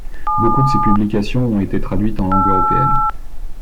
Beaucoup de ses publications ont été traduites en langues européennes.